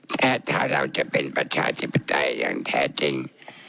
ถ้าเราจะเป็นประชาธิปไตยอย่างแท้จริง